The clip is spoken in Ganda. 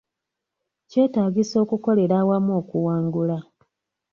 Kyetaagisa okukolera awamu okuwangula